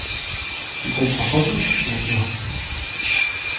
Tu comprends sans doute, maintenant ?